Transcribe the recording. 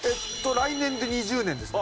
来年で２０年ですね。